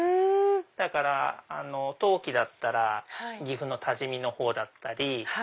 だから陶器だったら岐阜の多治見のほうだったり。